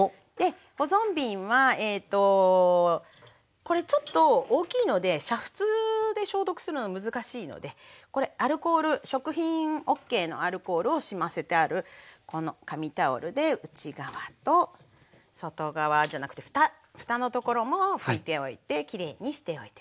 保存瓶はえとこれちょっと大きいので煮沸で消毒するの難しいのでこれアルコール食品ＯＫのアルコールを染ませてあるこの紙タオルで内側と外側じゃなくてふたのところも拭いておいてきれいにしておいて下さい。